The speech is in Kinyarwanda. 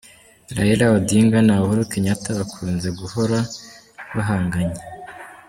Raila Odinga na Uhuru Kenyatta bakunze guhora bahanganye